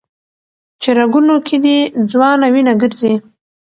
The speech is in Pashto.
چي رګونو كي دي ځوانه وينه ګرځي